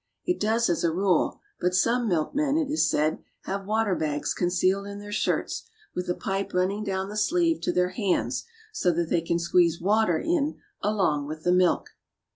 It does as a rule, but some milkmen, it is said, have water bags concealed in their shirts, with a pipe running down the sleeve to their hands, so that they can squeeze water in along with the milk.